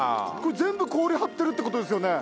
全部氷張ってるって事ですよね。